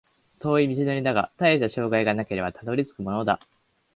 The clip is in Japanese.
遠い道のりだが、たいした障害がなければたどり着くものだ